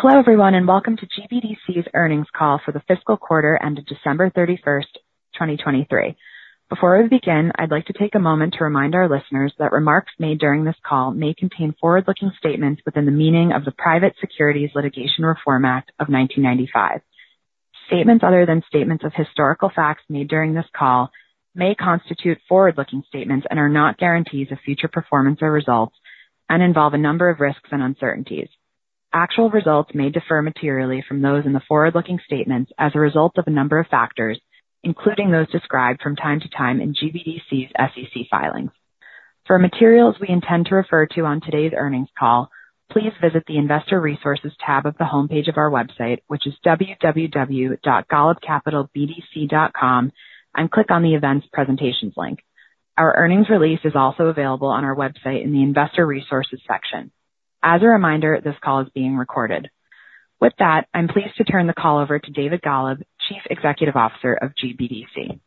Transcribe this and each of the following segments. Hello, everyone, and welcome to GBDC's earnings call for the fiscal quarter ended December 31, 2023. Before we begin, I'd like to take a moment to remind our listeners that remarks made during this call may contain forward-looking statements within the meaning of the Private Securities Litigation Reform Act of 1995. Statements other than statements of historical facts made during this call may constitute forward-looking statements and are not guarantees of future performance or results and involve a number of risks and uncertainties. Actual results may differ materially from those in the forward-looking statements as a result of a number of factors, including those described from time to time in GBDC's SEC filings. For materials we intend to refer to on today's earnings call, please visit the Investor Resources tab of the homepage of our website, which is www.golubcapitalbdc.com, and click on the Events Presentations link. Our earnings release is also available on our website in the Investor Resources section. As a reminder, this call is being recorded. With that, I'm pleased to turn the call over to David Golub, Chief Executive Officer of GBDC.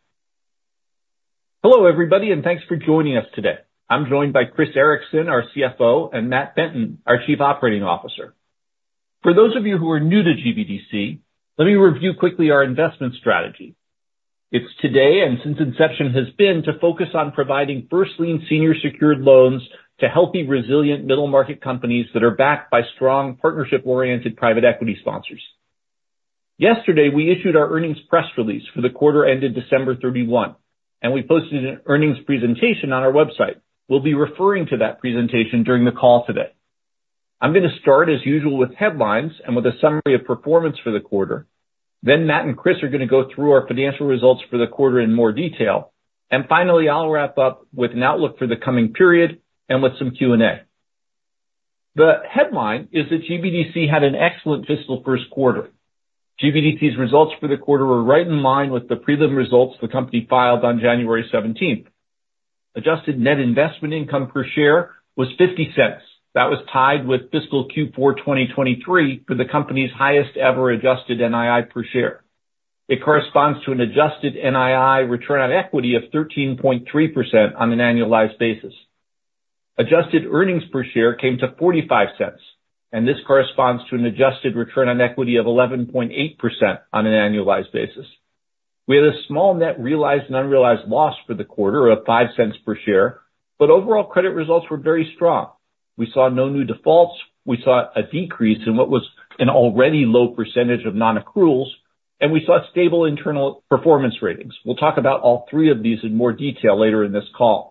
Hello, everybody, and thanks for joining us today. I'm joined by Chris Ericson, our CFO, and Matt Benton, our Chief Operating Officer. For those of you who are new to GBDC, let me review quickly our investment strategy. It's today, and since inception, has been to focus on providing first lien senior secured loans to healthy, resilient middle-market companies that are backed by strong, partnership-oriented private equity sponsors. Yesterday, we issued our earnings press release for the quarter ended December 31, and we posted an earnings presentation on our website. We'll be referring to that presentation during the call today. I'm gonna start, as usual, with headlines and with a summary of performance for the quarter. Then Matt and Chris are gonna go through our financial results for the quarter in more detail. Finally, I'll wrap up with an outlook for the coming period and with some Q&A. The headline is that GBDC had an excellent fiscal first quarter. GBDC's results for the quarter were right in line with the prelim results the company filed on January 17. Adjusted net investment income per share was $0.50. That was tied with fiscal Q4 2023 for the company's highest ever adjusted NII per share. It corresponds to an adjusted NII return on equity of 13.3% on an annualized basis. Adjusted earnings per share came to $0.45, and this corresponds to an adjusted return on equity of 11.8% on an annualized basis. We had a small net realized and unrealized loss for the quarter of $0.05 per share, but overall credit results were very strong. We saw no new defaults. We saw a decrease in what was an already low percentage of non-accruals, and we saw stable internal performance ratings. We'll talk about all three of these in more detail later in this call.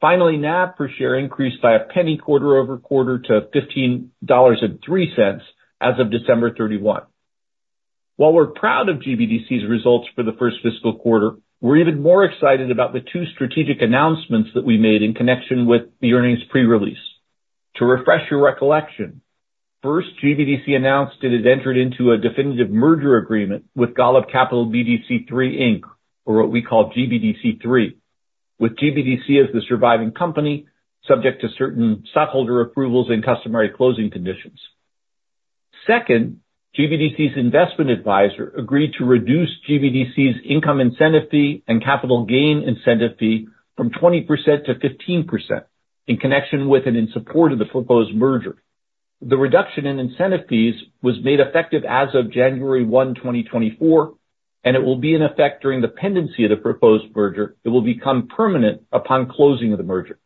Finally, NAV per share increased by $0.01 quarter-over-quarter to $15.03 as of December 31. While we're proud of GBDC's results for the first fiscal quarter, we're even more excited about the 2 strategic announcements that we made in connection with the earnings pre-release. To refresh your recollection, first, GBDC announced it has entered into a definitive merger agreement with Golub Capital BDC 3, Inc., or what we call GBDC 3, with GBDC as the surviving company, subject to certain stockholder approvals and customary closing conditions. Second, GBDC's investment advisor agreed to reduce GBDC's income incentive fee and capital gain incentive fee from 20% to 15% in connection with and in support of the proposed merger. The reduction in incentive fees was made effective as of January 1, 2024, and it will be in effect during the pendency of the proposed merger. It will become permanent upon closing of the merger.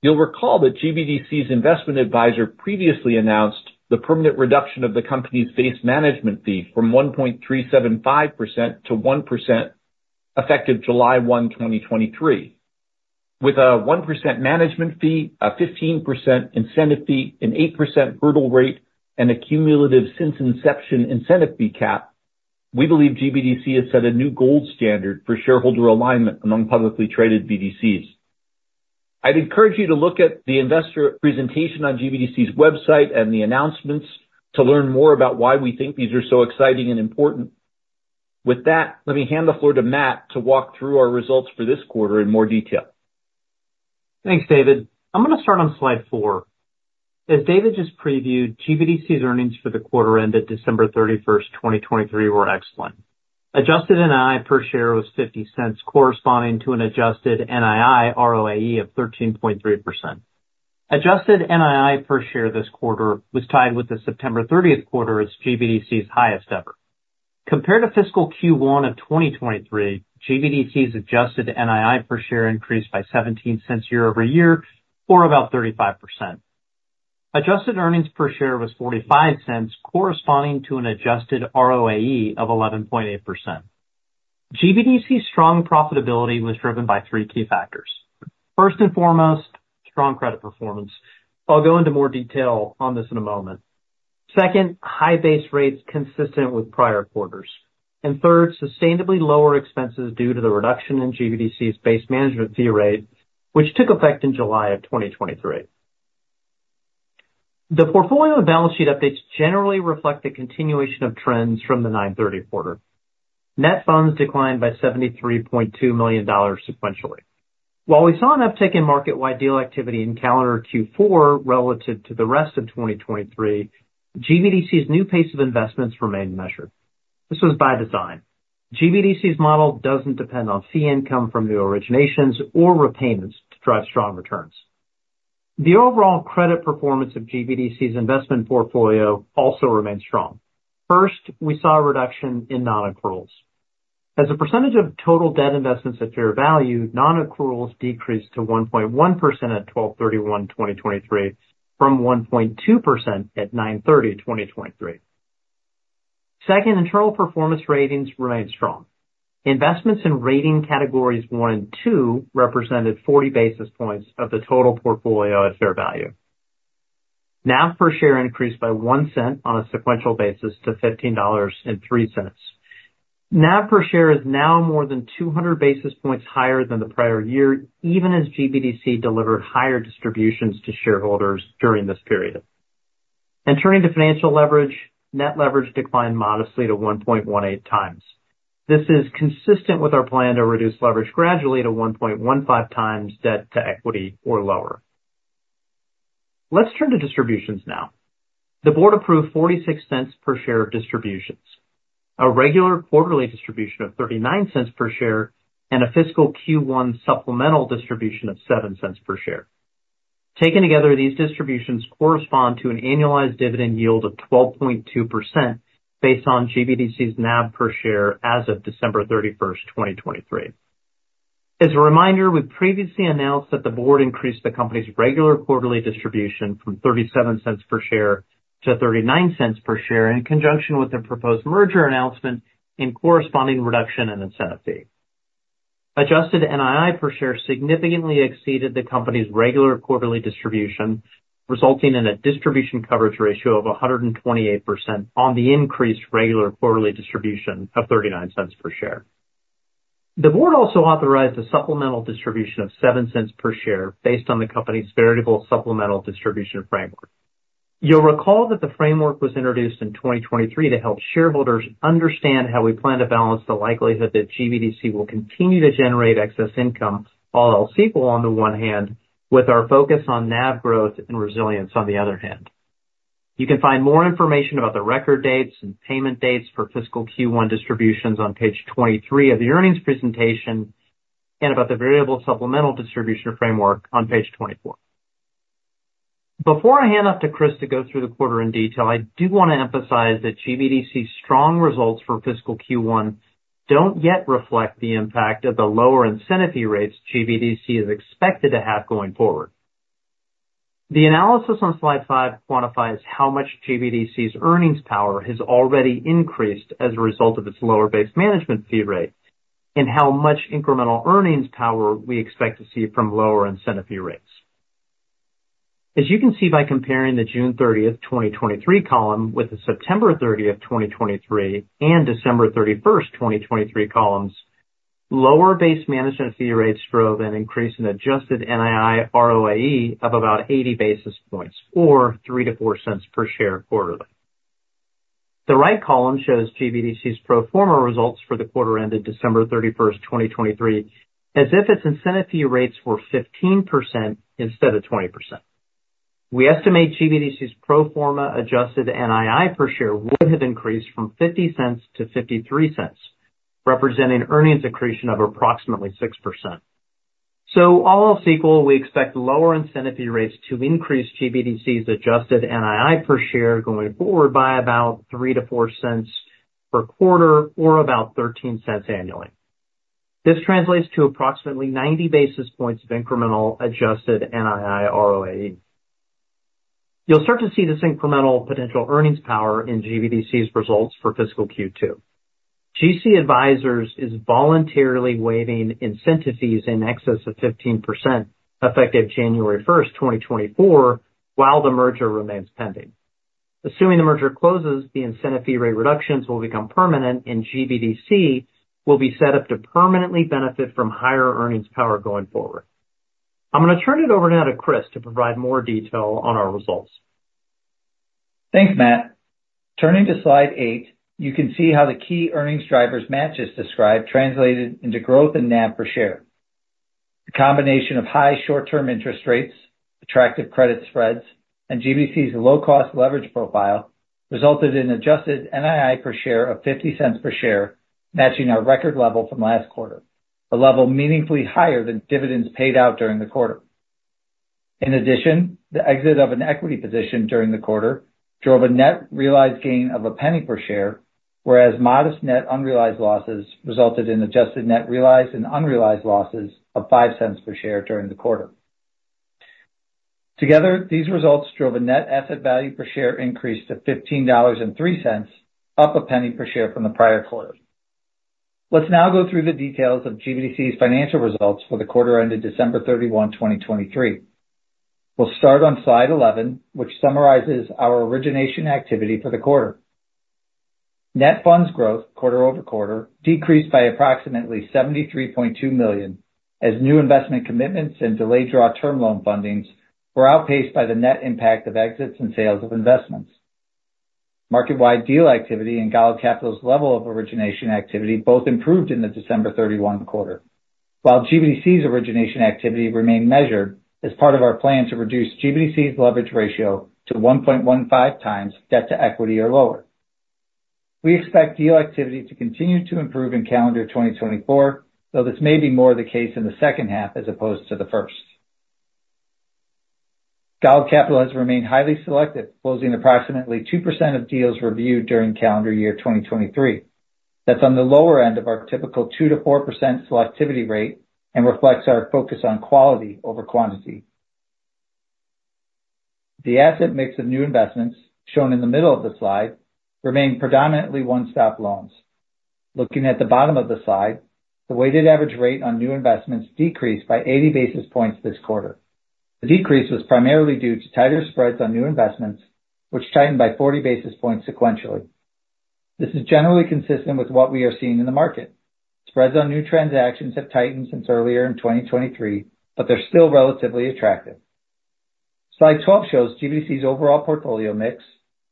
You'll recall that GBDC's investment advisor previously announced the permanent reduction of the company's base management fee from 1.375% to 1%, effective July 1, 2023. With a 1% management fee, a 15% incentive fee, an 8% hurdle rate, and a cumulative since inception incentive fee cap, we believe GBDC has set a new gold standard for shareholder alignment among publicly traded BDCs. I'd encourage you to look at the investor presentation on GBDC's website and the announcements to learn more about why we think these are so exciting and important. With that, let me hand the floor to Matt to walk through our results for this quarter in more detail. Thanks, David. I'm gonna start on slide four. As David just previewed, GBDC's earnings for the quarter ended December 31, 2023, were excellent. Adjusted NII per share was $0.50, corresponding to an adjusted NII ROAE of 13.3%. Adjusted NII per share this quarter was tied with the September 30 quarter as GBDC's highest ever. Compared to fiscal Q1 of 2023, GBDC's adjusted NII per share increased by $0.17 year-over-year, or about 35%. Adjusted earnings per share was $0.45, corresponding to an adjusted ROAE of 11.8%. GBDC's strong profitability was driven by three key factors. First and foremost, strong credit performance. I'll go into more detail on this in a moment. Second, high base rates consistent with prior quarters. And third, sustainably lower expenses due to the reduction in GBDC's base management fee rate, which took effect in July 2023. The portfolio of balance sheet updates generally reflect a continuation of trends from the 9/30 quarter. Net funds declined by $73.2 million sequentially. While we saw an uptick in market-wide deal activity in calendar Q4 relative to the rest of 2023, GBDC's new pace of investments remained measured. This was by design.... GBDC's model doesn't depend on fee income from new originations or repayments to drive strong returns. The overall credit performance of GBDC's investment portfolio also remains strong. First, we saw a reduction in non-accruals. As a percentage of total debt investments at fair value, non-accruals decreased to 1.1% at 12/31/2023, from 1.2% at 9/30/2023. Second, internal performance ratings remained strong. Investments in rating categories 1 and 2 represented 40 basis points of the total portfolio at fair value. NAV per share increased by $0.01 on a sequential basis to $15.03. NAV per share is now more than 200 basis points higher than the prior year, even as GBDC delivered higher distributions to shareholders during this period. Turning to financial leverage, net leverage declined modestly to 1.18 times. This is consistent with our plan to reduce leverage gradually to 1.15 times debt to equity or lower. Let's turn to distributions now. The board approved $0.46 per share of distributions, a regular quarterly distribution of $0.39 per share, and a fiscal Q1 supplemental distribution of $0.07 per share. Taken together, these distributions correspond to an annualized dividend yield of 12.2% based on GBDC's NAV per share as of December 31, 2023. As a reminder, we've previously announced that the board increased the company's regular quarterly distribution from $0.37 per share to $0.39 per share, in conjunction with the proposed merger announcement and corresponding reduction in incentive fee. Adjusted NII per share significantly exceeded the company's regular quarterly distribution, resulting in a distribution coverage ratio of 128% on the increased regular quarterly distribution of $0.39 per share. The board also authorized a supplemental distribution of $0.07 per share based on the company's variable supplemental distribution framework. You'll recall that the framework was introduced in 2023 to help shareholders understand how we plan to balance the likelihood that GBDC will continue to generate excess income, all else equal on the one hand, with our focus on NAV growth and resilience on the other hand. You can find more information about the record dates and payment dates for fiscal Q1 distributions on page 23 of the earnings presentation, and about the variable supplemental distribution framework on page 24. Before I hand off to Chris to go through the quarter in detail, I do want to emphasize that GBDC's strong results for fiscal Q1 don't yet reflect the impact of the lower incentive fee rates GBDC is expected to have going forward. The analysis on slide five quantifies how much GBDC's earnings power has already increased as a result of its lower base management fee rate, and how much incremental earnings power we expect to see from lower incentive fee rates. As you can see by comparing the June 30, 2023 column with the September 30, 2023, and December 31, 2023 columns, lower base management fee rates drove an increase in adjusted NII ROAE of about 80 basis points or 3-4 cents per share quarterly. The right column shows GBDC's pro forma results for the quarter ended December 31, 2023, as if its incentive fee rates were 15% instead of 20%. We estimate GBDC's pro forma adjusted NII per share would have increased from $0.50 to $0.53, representing earnings accretion of approximately 6%. So all else equal, we expect lower incentive fee rates to increase GBDC's adjusted NII per share going forward by about $0.03-$0.04 per quarter or about $0.13 annually. This translates to approximately 90 basis points of incremental adjusted NII ROAE. You'll start to see this incremental potential earnings power in GBDC's results for fiscal Q2. GC Advisors is voluntarily waiving incentive fees in excess of 15%, effective January 1, 2024, while the merger remains pending. Assuming the merger closes, the incentive fee rate reductions will become permanent, and GBDC will be set up to permanently benefit from higher earnings power going forward. I'm going to turn it over now to Chris to provide more detail on our results. Thanks, Matt. Turning to slide 8, you can see how the key earnings drivers Matt just described translated into growth in NAV per share. The combination of high short-term interest rates, attractive credit spreads, and GBDC's low-cost leverage profile resulted in adjusted NII per share of $0.50 per share, matching our record level from last quarter, a level meaningfully higher than dividends paid out during the quarter. In addition, the exit of an equity position during the quarter drove a net realized gain of $0.01 per share, whereas modest net unrealized losses resulted in adjusted net realized and unrealized losses of $0.05 per share during the quarter. Together, these results drove a net asset value per share increase to $15.03, up $0.01 per share from the prior quarter. Let's now go through the details of GBDC's financial results for the quarter ended December 31, 2023. We'll start on slide 11, which summarizes our origination activity for the quarter. Net funds growth, quarter-over-quarter, decreased by approximately $73.2 million, as new investment commitments and delayed draw term loan fundings were outpaced by the net impact of exits and sales of investments. Market-wide deal activity and Golub Capital's level of origination activity both improved in the December 31 quarter.... while GBDC's origination activity remained measured as part of our plan to reduce GBDC's leverage ratio to 1.15 times debt to equity or lower. We expect deal activity to continue to improve in calendar 2024, though this may be more the case in the second half as opposed to the first. Capital has remained highly selective, closing approximately 2% of deals reviewed during calendar year 2023. That's on the lower end of our typical 2%-4% selectivity rate and reflects our focus on quality over quantity. The asset mix of new investments, shown in the middle of the slide, remain predominantly One-Stop loans. Looking at the bottom of the slide, the weighted average rate on new investments decreased by 80 basis points this quarter. The decrease was primarily due to tighter spreads on new investments, which tightened by 40 basis points sequentially. This is generally consistent with what we are seeing in the market. Spreads on new transactions have tightened since earlier in 2023, but they're still relatively attractive. Slide 12 shows GBDC's overall portfolio mix.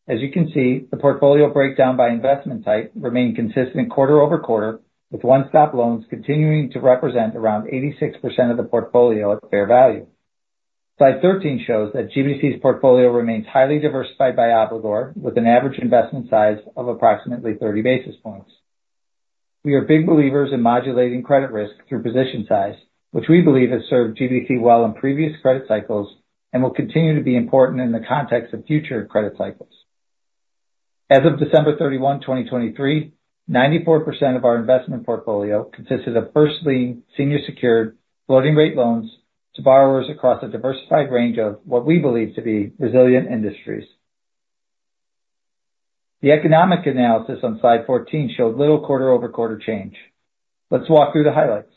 As you can see, the portfolio breakdown by investment type remained consistent quarter-over-quarter, with One-Stop loans continuing to represent around 86% of the portfolio at fair value. Slide 13 shows that GBDC's portfolio remains highly diversified by obligor, with an average investment size of approximately 30 basis points. We are big believers in modulating credit risk through position size, which we believe has served GBDC well in previous credit cycles and will continue to be important in the context of future credit cycles. As of December 31, 2023, 94% of our investment portfolio consisted of first lien senior secured floating rate loans to borrowers across a diversified range of what we believe to be resilient industries. The economic analysis on slide 14 showed little quarter-over-quarter change. Let's walk through the highlights.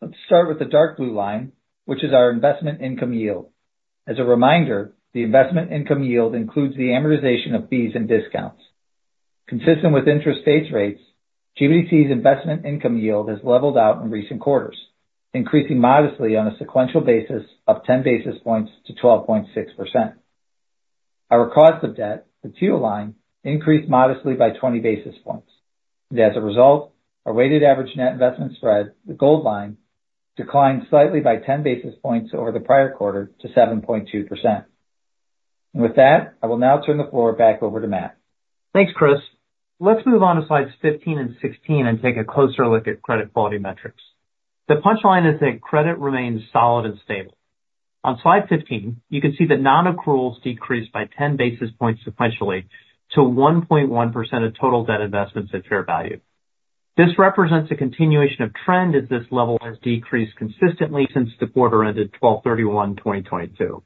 Let's start with the dark blue line, which is our investment income yield. As a reminder, the investment income yield includes the amortization of fees and discounts. Consistent with interest rates, GBDC's investment income yield has leveled out in recent quarters, increasing modestly on a sequential basis of 10 basis points to 12.6%. Our cost of debt, the teal line, increased modestly by 20 basis points. As a result, our weighted average net investment spread, the gold line, declined slightly by 10 basis points over the prior quarter to 7.2%. And with that, I will now turn the floor back over to Matt. Thanks, Chris. Let's move on to slides 15 and 16 and take a closer look at credit quality metrics. The punchline is that credit remains solid and stable. On slide 15, you can see that non-accruals decreased by ten basis points sequentially to 1.1% of total debt investments at fair value. This represents a continuation of trend, as this level has decreased consistently since the quarter ended 12/31/2022.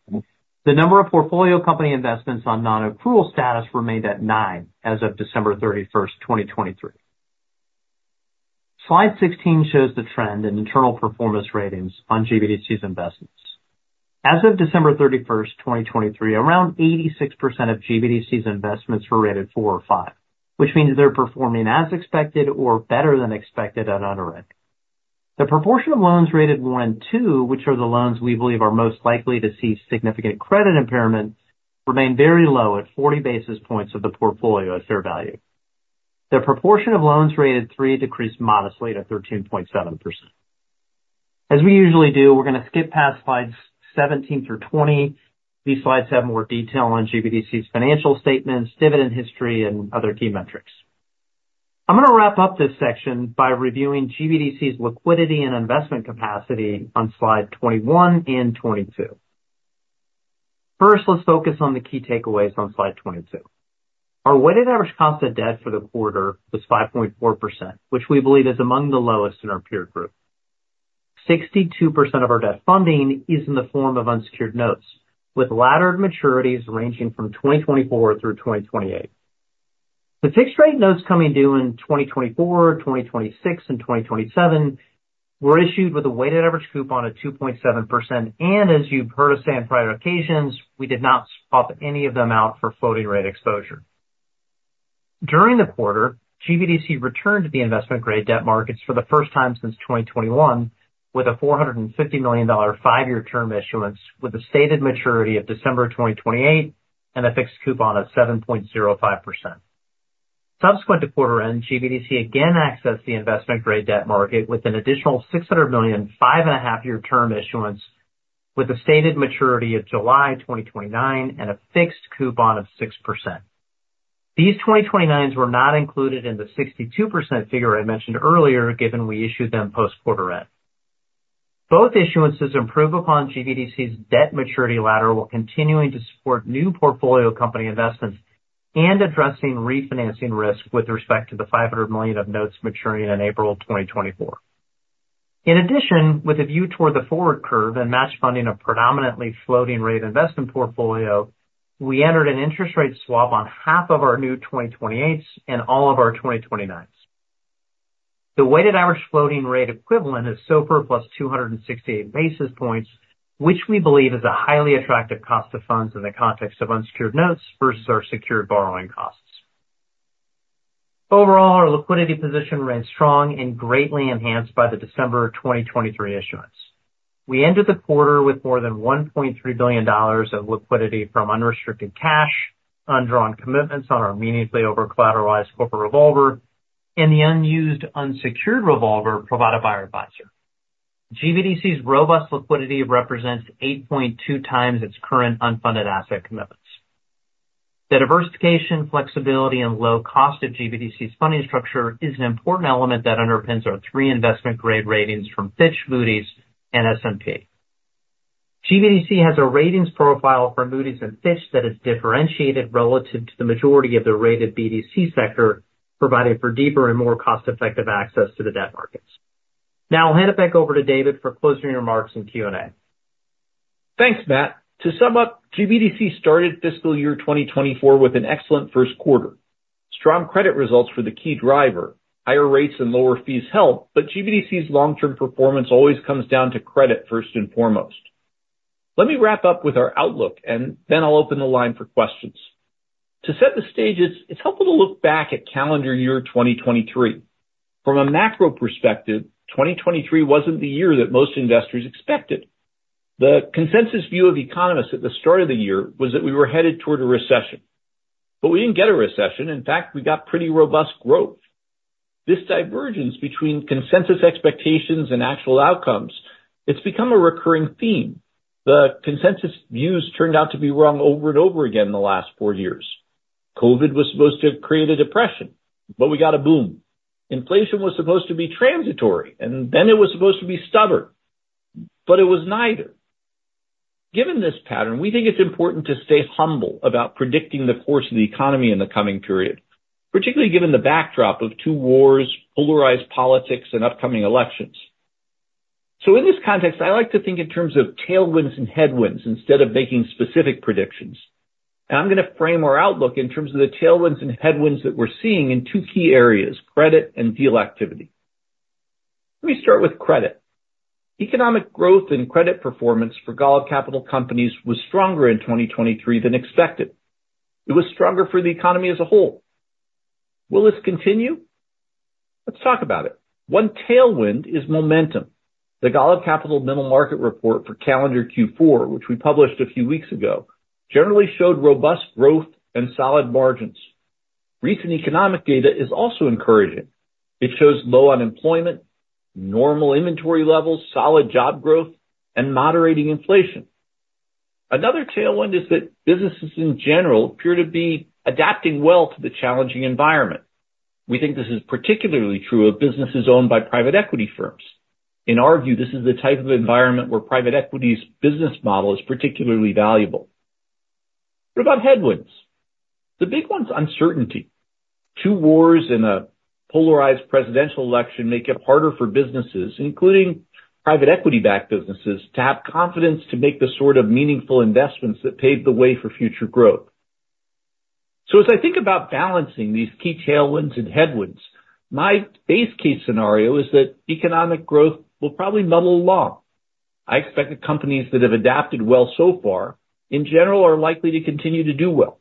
The number of portfolio company investments on non-accrual status remained at 9 as of December 31, 2023. Slide 16 shows the trend in internal performance ratings on GBDC's investments. As of December 31, 2023, around 86% of GBDC's investments were rated 4 or 5, which means they're performing as expected or better than expected at underwriting. The proportion of loans rated one and two, which are the loans we believe are most likely to see significant credit impairment, remain very low at 40 basis points of the portfolio at fair value. The proportion of loans rated three decreased modestly to 13.7%. As we usually do, we're gonna skip past slides 17 through 20. These slides have more detail on GBDC's financial statements, dividend history, and other key metrics. I'm gonna wrap up this section by reviewing GBDC's liquidity and investment capacity on slide 21 and 22. First, let's focus on the key takeaways on slide 22. Our weighted average cost of debt for the quarter was 5.4%, which we believe is among the lowest in our peer group. 62% of our debt funding is in the form of unsecured notes, with laddered maturities ranging from 2024 through 2028. The fixed rate notes coming due in 2024, 2026, and 2027 were issued with a weighted average coupon of 2.7%. As you've heard us say on prior occasions, we did not swap any of them out for floating rate exposure. During the quarter, GBDC returned to the investment-grade debt markets for the first time since 2021, with a $450 million 5-year term issuance, with a stated maturity of December 2028 and a fixed coupon of 7.05%. Subsequent to quarter end, GBDC again accessed the investment-grade debt market with an additional $600 million, 5.5-year term issuance, with a stated maturity of July 2029 and a fixed coupon of 6%. These 2029s were not included in the 62% figure I mentioned earlier, given we issued them post-quarter end. Both issuances improve upon GBDC's debt maturity ladder, while continuing to support new portfolio company investments and addressing refinancing risk with respect to the $500 million of notes maturing in April 2024. In addition, with a view toward the forward curve and match funding a predominantly floating rate investment portfolio, we entered an interest rate swap on half of our new 2028s and all of our 2029s. The weighted average floating rate equivalent is SOFR plus 268 basis points, which we believe is a highly attractive cost of funds in the context of unsecured notes versus our secured borrowing costs. Overall, our liquidity position remains strong and greatly enhanced by the December 2023 issuance.... We ended the quarter with more than $1.3 billion of liquidity from unrestricted cash, undrawn commitments on our meaningfully over-collateralized corporate revolver, and the unused unsecured revolver provided by our advisor. GBDC's robust liquidity represents 8.2 times its current unfunded asset commitments. The diversification, flexibility, and low cost of GBDC's funding structure is an important element that underpins our three investment-grade ratings from Fitch, Moody's, and S&P. GBDC has a ratings profile for Moody's and Fitch that is differentiated relative to the majority of the rated BDC sector, providing for deeper and more cost-effective access to the debt markets. Now I'll hand it back over to David for closing remarks and Q&A. Thanks, Matt. To sum up, GBDC started fiscal year 2024 with an excellent first quarter. Strong credit results were the key driver. Higher rates and lower fees helped, but GBDC's long-term performance always comes down to credit first and foremost. Let me wrap up with our outlook, and then I'll open the line for questions. To set the stage, it's helpful to look back at calendar year 2023. From a macro perspective, 2023 wasn't the year that most investors expected. The consensus view of economists at the start of the year was that we were headed toward a recession. But we didn't get a recession. In fact, we got pretty robust growth. This divergence between consensus expectations and actual outcomes, it's become a recurring theme. The consensus views turned out to be wrong over and over again in the last 4 years. COVID was supposed to have created a depression, but we got a boom. Inflation was supposed to be transitory, and then it was supposed to be stubborn, but it was neither. Given this pattern, we think it's important to stay humble about predicting the course of the economy in the coming period, particularly given the backdrop of two wars, polarized politics, and upcoming elections. So in this context, I like to think in terms of tailwinds and headwinds instead of making specific predictions. And I'm gonna frame our outlook in terms of the tailwinds and headwinds that we're seeing in two key areas: credit and deal activity. Let me start with credit. Economic growth and credit performance for Golub Capital companies was stronger in 2023 than expected. It was stronger for the economy as a whole. Will this continue? Let's talk about it. One tailwind is momentum. The Golub Capital Middle Market Report for calendar Q4, which we published a few weeks ago, generally showed robust growth and solid margins. Recent economic data is also encouraging. It shows low unemployment, normal inventory levels, solid job growth, and moderating inflation. Another tailwind is that businesses in general appear to be adapting well to the challenging environment. We think this is particularly true of businesses owned by private equity firms. In our view, this is the type of environment where private equity's business model is particularly valuable. What about headwinds? The big one's uncertainty. Two wars and a polarized presidential election make it harder for businesses, including private equity-backed businesses, to have confidence to make the sort of meaningful investments that pave the way for future growth. So as I think about balancing these key tailwinds and headwinds, my base case scenario is that economic growth will probably muddle along. I expect that companies that have adapted well so far, in general, are likely to continue to do well.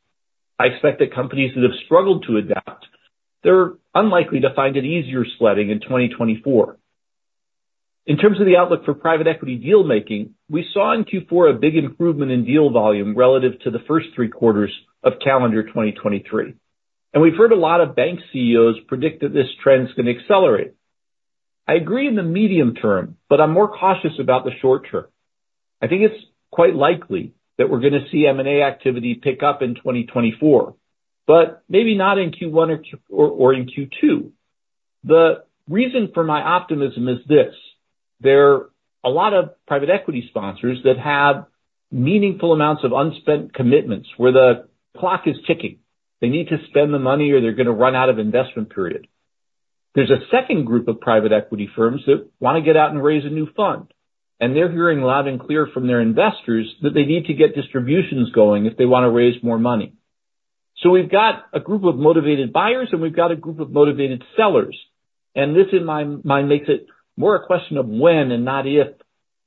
I expect that companies that have struggled to adapt, they're unlikely to find it easier sledding in 2024. In terms of the outlook for private equity deal making, we saw in Q4 a big improvement in deal volume relative to the first three quarters of calendar 2023, and we've heard a lot of bank CEOs predict that this trend is gonna accelerate. I agree in the medium term, but I'm more cautious about the short term. I think it's quite likely that we're gonna see M&A activity pick up in 2024, but maybe not in Q1 or Q2. The reason for my optimism is this: There are a lot of private equity sponsors that have meaningful amounts of unspent commitments where the clock is ticking. They need to spend the money, or they're gonna run out of investment period. There's a second group of private equity firms that wanna get out and raise a new fund, and they're hearing loud and clear from their investors that they need to get distributions going if they wanna raise more money. So we've got a group of motivated buyers, and we've got a group of motivated sellers, and this, in my mind, makes it more a question of when and not if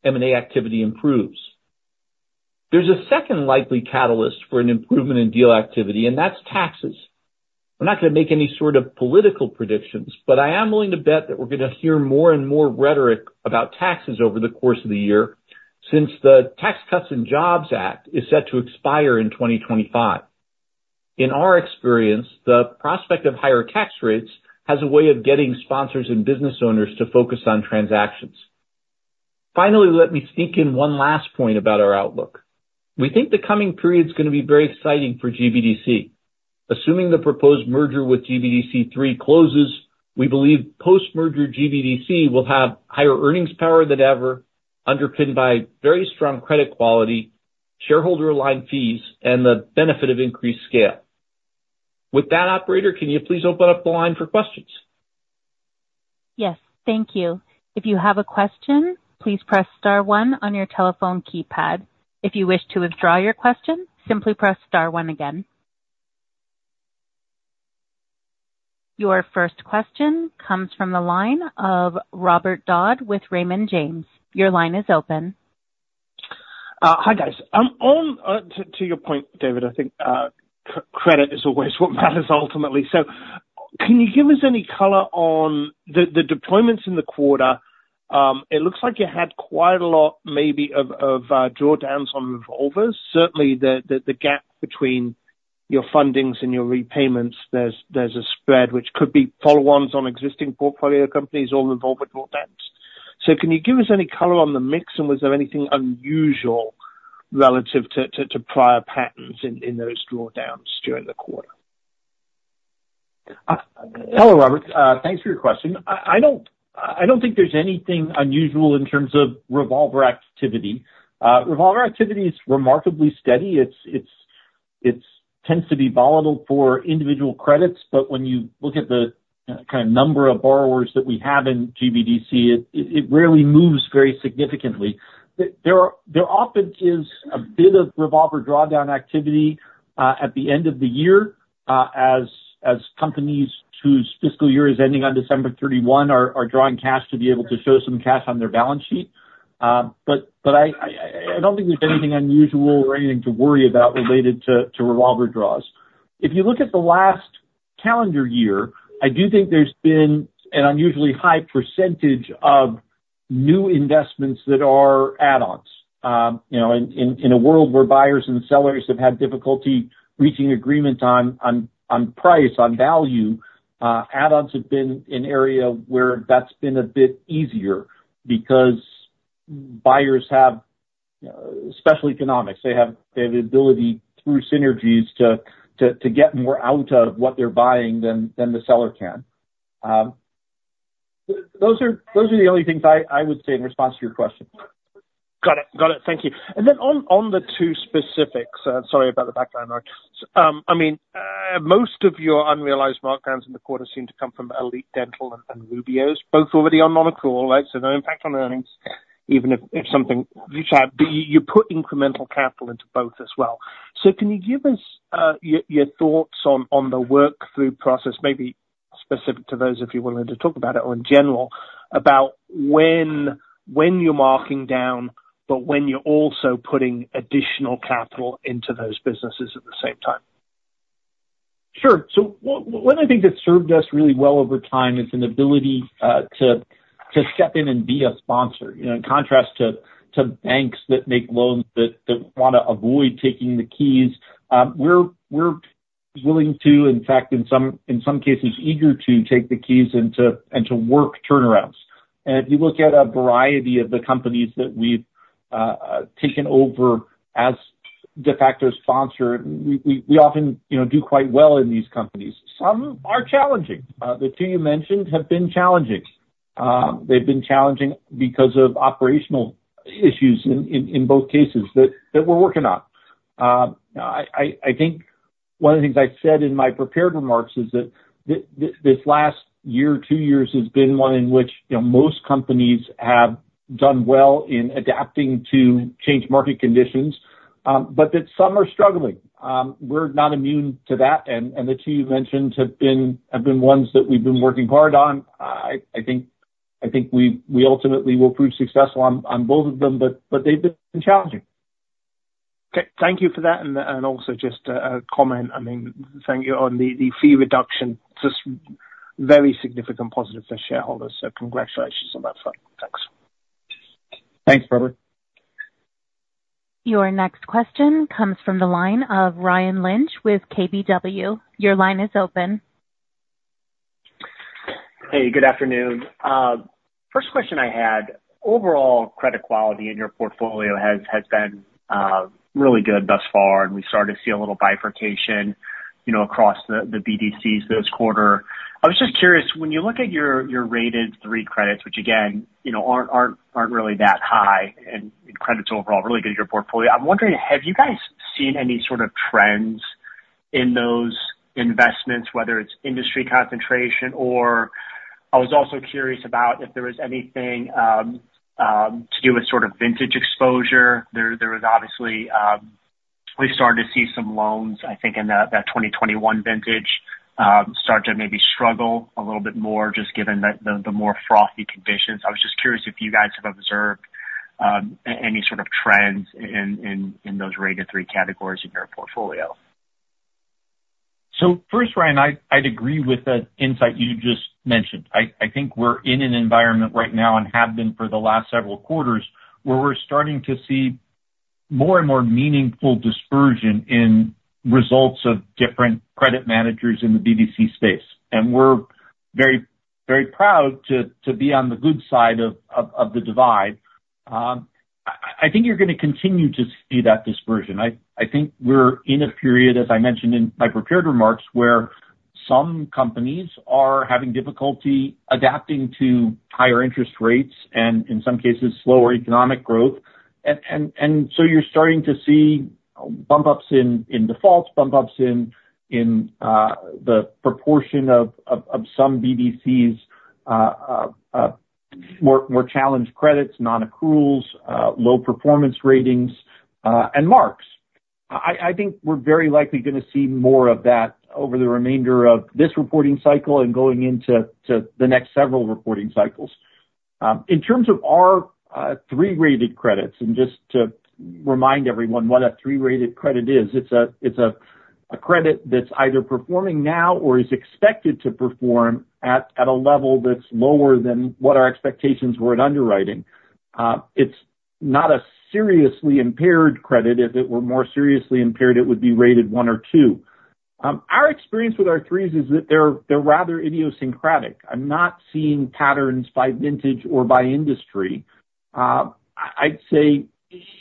M&A activity improves. There's a second likely catalyst for an improvement in deal activity, and that's taxes. We're not gonna make any sort of political predictions, but I am willing to bet that we're gonna hear more and more rhetoric about taxes over the course of the year, since the Tax Cuts and Jobs Act is set to expire in 2025. In our experience, the prospect of higher tax rates has a way of getting sponsors and business owners to focus on transactions. Finally, let me sneak in one last point about our outlook. We think the coming period is gonna be very exciting for GBDC. Assuming the proposed merger with GBDC 3 closes, we believe post-merger GBDC will have higher earnings power than ever, underpinned by very strong credit quality, shareholder-aligned fees, and the benefit of increased scale. With that, operator, can you please open up the line for questions? Yes. Thank you. If you have a question, please press star one on your telephone keypad. If you wish to withdraw your question, simply press star one again. Your first question comes from the line of Robert Dodd with Raymond James. Your line is open.... Hi, guys. On to your point, David, I think credit is always what matters ultimately. So can you give us any color on the deployments in the quarter? It looks like you had quite a lot maybe of drawdowns on revolvers. Certainly the gap between your fundings and your repayments, there's a spread which could be follow-ons on existing portfolio companies or revolver drawdowns. So can you give us any color on the mix? And was there anything unusual relative to prior patterns in those drawdowns during the quarter? Hello, Robert. Thanks for your question. I don't think there's anything unusual in terms of revolver activity. Revolver activity is remarkably steady. It tends to be volatile for individual credits, but when you look at the kind of number of borrowers that we have in GBDC, it rarely moves very significantly. There often is a bit of revolver drawdown activity at the end of the year, as companies whose fiscal year is ending on December 31 are drawing cash to be able to show some cash on their balance sheet. But I don't think there's anything unusual or anything to worry about related to revolver draws. If you look at the last calendar year, I do think there's been an unusually high percentage of new investments that are add-ons. You know, in a world where buyers and sellers have had difficulty reaching agreement on price, on value, add-ons have been an area where that's been a bit easier, because buyers have special economics. They have the ability, through synergies to get more out of what they're buying than the seller can. Those are the only things I would say in response to your question. Got it. Got it. Thank you. And then on, on the two specifics... Sorry about the background noise. I mean, most of your unrealized markdowns in the quarter seem to come from Elite Dental and, and Rubio's, both already on non-accrual, so no impact on earnings, even if, if something reach out. But you, you put incremental capital into both as well. So can you give us, your, your thoughts on, on the work-through process, maybe specific to those, if you're willing to talk about it, or in general, about when, when you're marking down, but when you're also putting additional capital into those businesses at the same time? Sure. So one I think that's served us really well over time is an ability to step in and be a sponsor. You know, in contrast to banks that make loans that wanna avoid taking the keys, we're willing to, in fact, in some cases, eager to take the keys and to work turnarounds. And if you look at a variety of the companies that we've taken over as de facto sponsor, we often, you know, do quite well in these companies. Some are challenging. The two you mentioned have been challenging. They've been challenging because of operational issues in both cases that we're working on. I think one of the things I said in my prepared remarks is that this last year or two years has been one in which, you know, most companies have done well in adapting to changed market conditions, but that some are struggling. We're not immune to that, and the two you mentioned have been ones that we've been working hard on. I think we ultimately will prove successful on both of them, but they've been challenging. Okay, thank you for that. And also just a comment, I mean, thank you on the fee reduction, just very significant positive for shareholders, so congratulations on that front. Thanks. Thanks, Robert. Your next question comes from the line of Ryan Lynch with KBW. Your line is open. Hey, good afternoon. First question I had, overall credit quality in your portfolio has been really good thus far, and we started to see a little bifurcation, you know, across the BDCs this quarter. I was just curious, when you look at your rated three credits, which again, you know, aren't really that high in credits overall, really good in your portfolio. I'm wondering, have you guys seen any sort of trends in those investments, whether it's industry concentration or I was also curious about if there was anything to do with sort of vintage exposure? There was obviously we started to see some loans, I think, in that 2021 vintage, start to maybe struggle a little bit more, just given the more frothy conditions. I was just curious if you guys have observed any sort of trends in those rated three categories in your portfolio? So first, Ryan, I'd agree with the insight you just mentioned. I think we're in an environment right now, and have been for the last several quarters, where we're starting to see more and more meaningful dispersion in results of different credit managers in the BDC space, and we're very, very proud to be on the good side of the divide. I think you're gonna continue to see that dispersion. I think we're in a period, as I mentioned in my prepared remarks, where some companies are having difficulty adapting to higher interest rates, and in some cases, slower economic growth. So you're starting to see bump ups in defaults, bump ups in the proportion of some BDCs more challenged credits, non-accruals, low performance ratings, and marks. I think we're very likely gonna see more of that over the remainder of this reporting cycle and going into the next several reporting cycles. In terms of our three-rated credits, and just to remind everyone what a three-rated credit is, it's a credit that's either performing now or is expected to perform at a level that's lower than what our expectations were in underwriting. It's not a seriously impaired credit. If it were more seriously impaired, it would be rated one or two. Our experience with our threes is that they're rather idiosyncratic. I'm not seeing patterns by vintage or by industry. I'd say,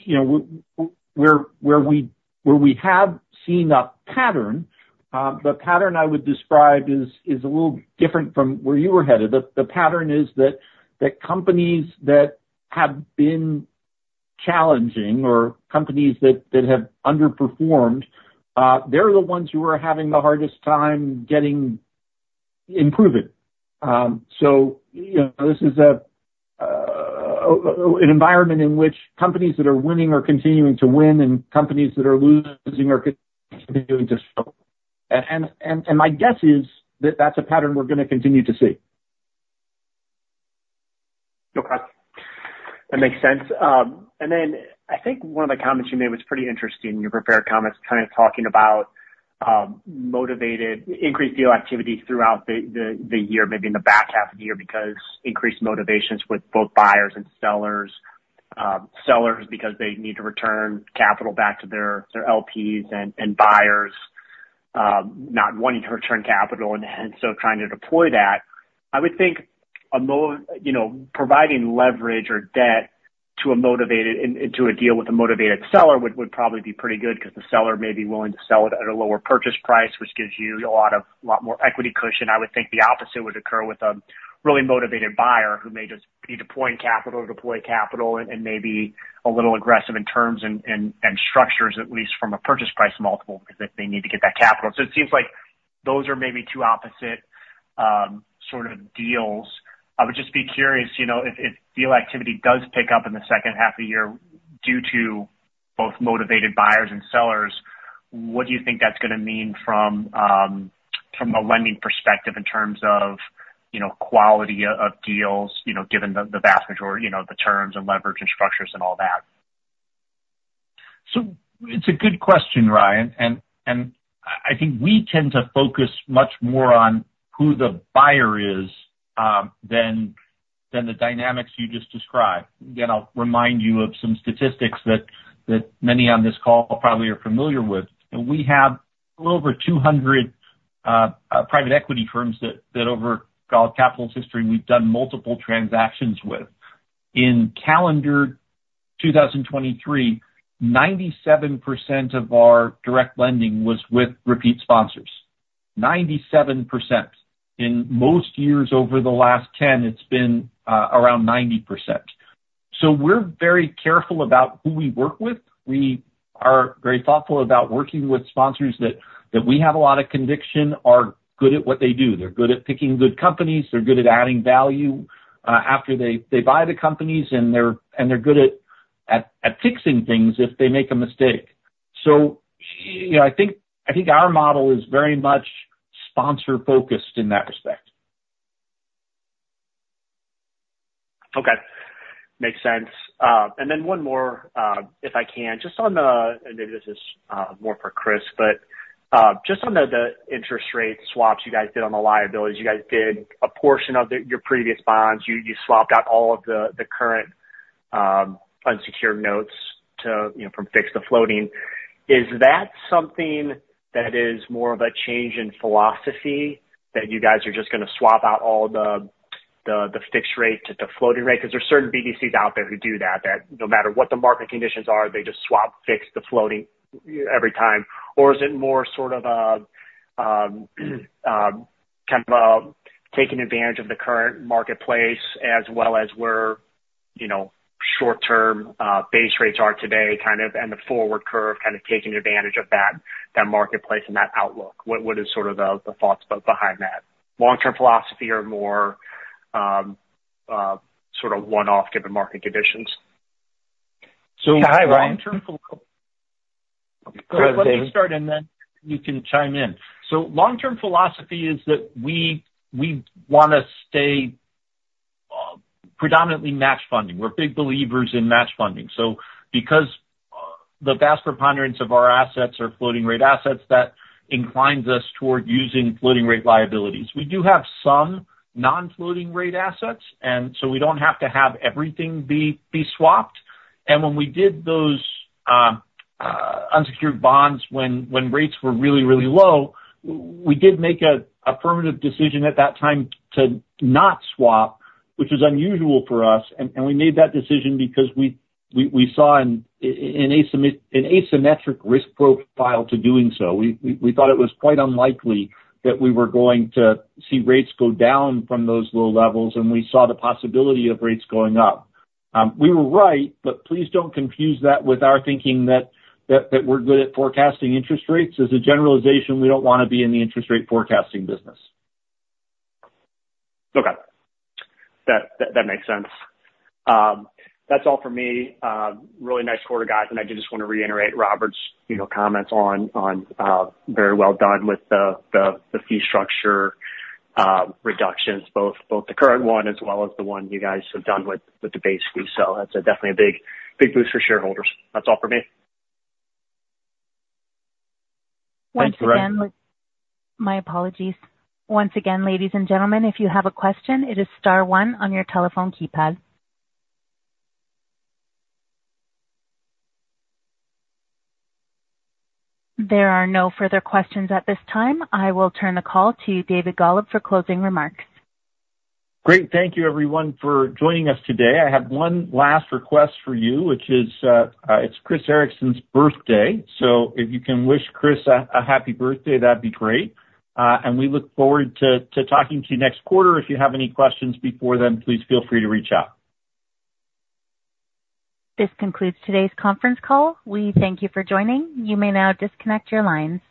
you know, where we have seen a pattern, the pattern I would describe is a little different from where you were headed. The pattern is that companies that have been challenging or companies that have underperformed, they're the ones who are having the hardest time getting improving. So, you know, this is an environment in which companies that are winning are continuing to win, and companies that are losing are continuing to struggle. And my guess is that that's a pattern we're gonna continue to see. No problem. That makes sense. And then I think one of the comments you made was pretty interesting in your prepared comments, kind of talking about motivated increased deal activity throughout the year, maybe in the back half of the year, because increased motivations with both buyers and sellers. Sellers, because they need to return capital back to their LPs and buyers not wanting to return capital and so trying to deploy that. I would think a mo- you know, providing leverage or debt to a motivated... in, into a deal with a motivated seller, would probably be pretty good because the seller may be willing to sell it at a lower purchase price, which gives you a lot of, a lot more equity cushion. I would think the opposite would occur with a really motivated buyer who may just be deploying capital to deploy capital and maybe a little aggressive in terms and structures, at least from a purchase price multiple, because they need to get that capital. So it seems like those are maybe two opposite sort of deals. I would just be curious, you know, if deal activity does pick up in the second half of the year due to both motivated buyers and sellers, what do you think that's gonna mean from a lending perspective in terms of, you know, quality of deals, you know, given the vast majority, you know, the terms and leverage and structures and all that? So it's a good question, Ryan, and I think we tend to focus much more on who the buyer is, than the dynamics you just described. Again, I'll remind you of some statistics that many on this call probably are familiar with, and we have a little over 200 private equity firms that over Golub Capital's history, we've done multiple transactions with. In calendar 2023, 97% of our direct lending was with repeat sponsors. 97%. In most years over the last 10, it's been around 90%. So we're very careful about who we work with. We are very thoughtful about working with sponsors that we have a lot of conviction, are good at what they do. They're good at picking good companies, they're good at adding value after they buy the companies, and they're good at fixing things if they make a mistake. So, you know, I think our model is very much sponsor-focused in that respect. Okay. Makes sense. And then one more, if I can, just on the, and this is more for Chris, but, just on the interest rate swaps you guys did on the liabilities, you guys did a portion of your previous bonds. You swapped out all of the current unsecured notes to, you know, from fixed to floating. Is that something that is more of a change in philosophy, that you guys are just gonna swap out all the fixed rate to floating rate? Because there's certain BDCs out there who do that, no matter what the market conditions are, they just swap fixed to floating every time. Or is it more sort of a kind of a taking advantage of the current marketplace as well as where, you know, short-term base rates are today, kind of, and the forward curve, kind of, taking advantage of that marketplace and that outlook? What is sort of the thoughts behind that long-term philosophy or more sort of one-off given market conditions? So hi, Ryan. Let me start, and then you can chime in. So long-term philosophy is that we wanna stay predominantly match funding. We're big believers in match funding. So because the vast preponderance of our assets are floating rate assets, that inclines us toward using floating rate liabilities. We do have some non-floating rate assets, and so we don't have to have everything be swapped. And when we did those unsecured bonds, when rates were really, really low, we did make an affirmative decision at that time to not swap, which is unusual for us. And we made that decision because we saw an asymmetric risk profile to doing so. We thought it was quite unlikely that we were going to see rates go down from those low levels, and we saw the possibility of rates going up. We were right, but please don't confuse that with our thinking that we're good at forecasting interest rates. As a generalization, we don't want to be in the interest rate forecasting business. Okay. That makes sense. That's all for me. Really nice quarter, guys, and I just want to reiterate Robert's, you know, comments on very well done with the fee structure reductions, both the current one as well as the one you guys have done with the base fee. So that's definitely a big, big boost for shareholders. That's all for me. Once again- Thanks, Ryan. My apologies. Once again, ladies and gentlemen, if you have a question, it is star one on your telephone keypad. There are no further questions at this time. I will turn the call to David Golub for closing remarks. Great. Thank you, everyone, for joining us today. I have one last request for you, which is, it's Chris Ericson birthday, so if you can wish Chris a happy birthday, that'd be great. And we look forward to talking to you next quarter. If you have any questions before then, please feel free to reach out. This concludes today's conference call. We thank you for joining. You may now disconnect your lines.